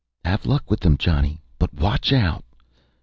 "Have luck with them, Johnny! But watch out!"